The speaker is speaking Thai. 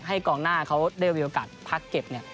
ให้กองหน้าเขาได้มีโอกาสพักเก็บเนี่ย